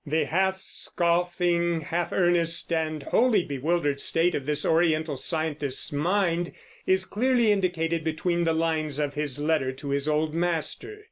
The half scoffing, half earnest, and wholly bewildered state of this Oriental scientist's mind is clearly indicated between the lines of his letter to his old master.